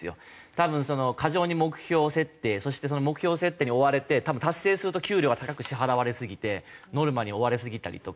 多分過剰に目標設定そしてその目標設定に追われて多分達成すると給料が高く支払われすぎてノルマに追われすぎたりとか。